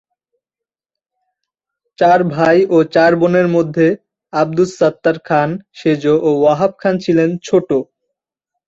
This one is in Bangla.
চার ভাই ও চার বোনের মধ্যে আব্দুস সাত্তার খাঁন সেজ ও ওহাব খাঁন ছিলেন ছোট।